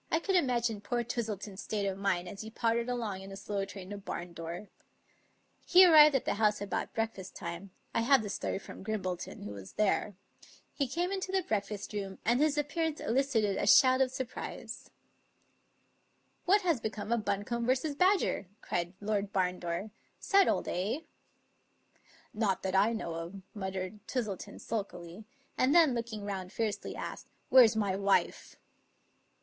I could imagine poor Twistleton's state of mind as he pottered along in a slow train to Barndore. He arrived at the house about breakfast time — I have the story from Grimbleton, who was there — ^he came Into the breakfast room, and his appearance elicited a shout of sur prise. 303 English Mystery Stories "What has become of Buncombe v. Badger?" cried Lord Barndore. " Settled, eh? "" Not that I know of," muttered Twistleton sulkily; and then, looking round fiercely, asked, "Where's my wife?"